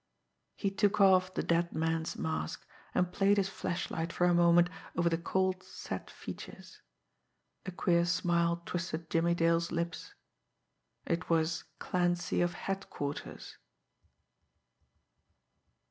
He took off the dead man's mask, and played his flashlight for a moment over the cold, set features. A queer smile twisted Jimmie Dale's lips. It was "Clancy of Headquarters"!